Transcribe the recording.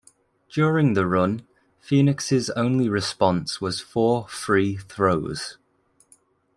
During the run, Phoenix's only response was four free throws.